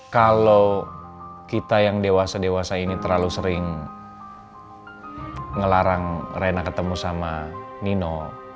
kalau kita yang dewasa dewasa ini terlalu sering ngelarang rena ketemu sama nino